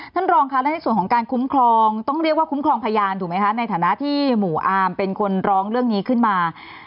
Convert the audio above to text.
ท่านรองค่ะและในส่วนของการคุ้มครองต้องเรียกว่าคุ้มครองพยานถูกไหมคะในฐานะที่หมู่อาร์มเป็นคนร้องเรื่องนี้ขึ้นมา